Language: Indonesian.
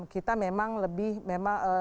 kita memang lebih memang